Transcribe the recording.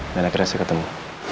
dan akhirnya saya ketemu